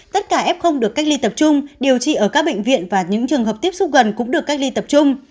tất cả f không được cách ly tập trung điều trị ở các bệnh viện và những trường hợp tiếp xúc gần cũng được cách ly tập trung